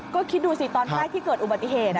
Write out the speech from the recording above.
ก็คิดดูสิตอนแรกที่เกิดอุบัติเหตุ